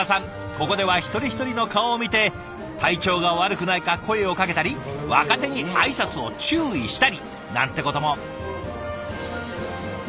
ここでは一人一人の顔を見て体調が悪くないか声をかけたり若手に挨拶を注意したりなんてことも。